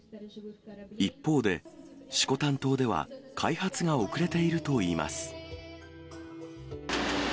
一方で、色丹島では開発が遅れているといいます。